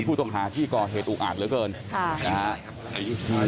ผู้ต้องหาที่ก่อเหตุอุกอาจเหลือเกินค่ะนะฮะ